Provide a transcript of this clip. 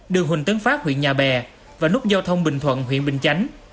đường huỳnh tấn phát huyện nhà bè và nút giao thông bình thuận huyện bình chánh